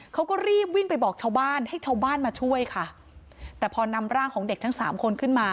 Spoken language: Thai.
เขาก็รีบวิ่งไปบอกชาวบ้านให้ชาวบ้านมาช่วยค่ะแต่พอนำร่างของเด็กทั้งสามคนขึ้นมา